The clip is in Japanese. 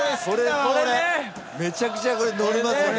めちゃくちゃこれ乗れますよね。